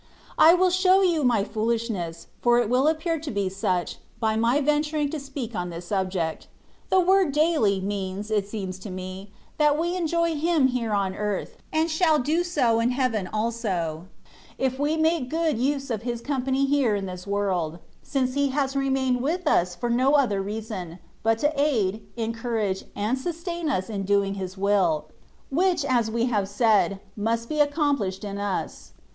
^^* I will show you my foolishness, for it will appear to be such, by my venturing to speak on this subject. The word '^daily,^' means (it *" Panem nostrum quotidlaniim da nobis bodie." 170 THE WAY OP PERFECTION. seems so me), that we enjoy Him here on earth, and shall do so in heaven also, if we make good nse of His company here in this world, since He has remained with us for no other reason, but to aid, encourage, and sustain us in doing His will, which, as we have said, must be accomplished in us.